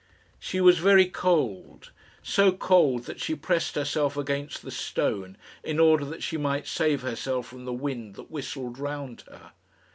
She was very cold, so cold that she pressed herself against the stone in order that she might save herself from the wind that whistled round her.